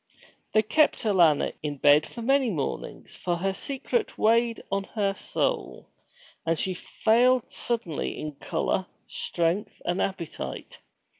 They kept Alanna in bed for many mornings, for her secret weighed on her soul, and she failed suddenly in color, strength, and appetite.